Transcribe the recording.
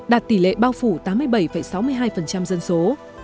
đạt tỷ lệ bao phủ tám mươi bảy sáu mươi hai dân số